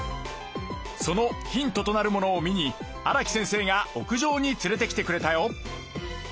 そのヒントとなるものを見に荒木先生が屋上に連れてきてくれたよ。